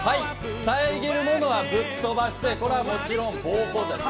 さえぎるものはぶっ飛ばして、これはもちろん暴行罪。